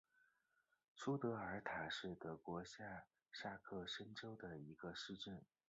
苏德尔堡是德国下萨克森州的一个市镇。